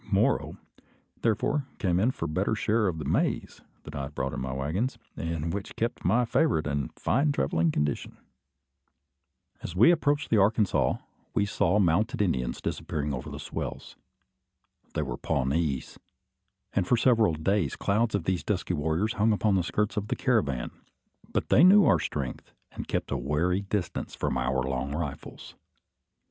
Moro, therefore, came in for a better share of the maize that I had brought in my waggons, and which kept my favourite in fine travelling condition. As we approached the Arkansas, we saw mounted Indians disappearing over the swells. They were Pawnees; and for several days clouds of these dusky warriors hung upon the skirts of the caravan. But they knew our strength, and kept at a wary distance from our long rifles.